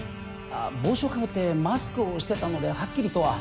帽子をかぶってマスクをしてたのではっきりとは。